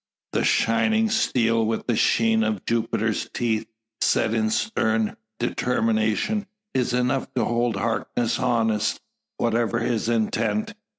The shining steel, with the sheen of Jupiter's teeth set in stern determination, is enough to hold Harkness honest, whatever his intent.